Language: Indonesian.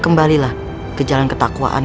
kembalilah ke jalan ketakwaan